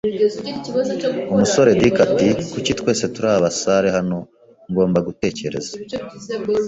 Umusore Dick ati: "Kuki, twese turi abasare hano, ngomba gutekereza".